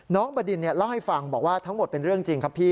บดินเล่าให้ฟังบอกว่าทั้งหมดเป็นเรื่องจริงครับพี่